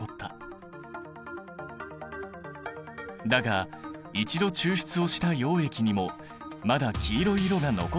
だが一度抽出をした溶液にもまだ黄色い色が残っている。